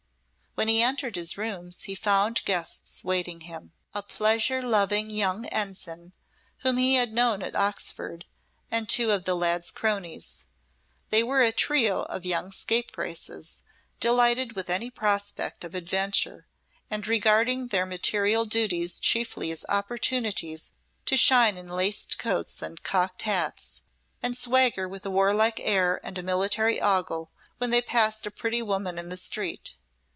When he entered his rooms he found guests waiting him. A pleasure loving young ensign, whom he had known at Oxford, and two of the lad's cronies. They were a trio of young scapegraces, delighted with any prospect of adventure, and regarding their martial duties chiefly as opportunities to shine in laced coats and cocked hats, and swagger with a warlike air and a military ogle when they passed a pretty woman in the street.